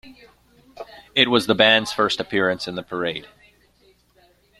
It was the band's first appearance in the Parade.